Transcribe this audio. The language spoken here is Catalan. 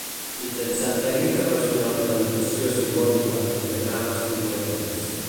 Mitjançant tècniques racionals de notació simbòlica i diagrames combinatoris.